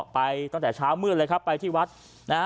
ไปตั้งแต่เช้ามืดเลยครับไปที่วัดนะฮะ